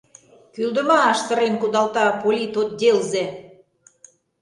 — Кӱлдымаш! — сырен кудалта политотделзе.